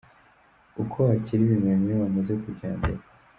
Uko wakira ibimeme iyo wamaze kubyandura.